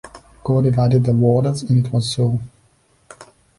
God divided the waters and it was so.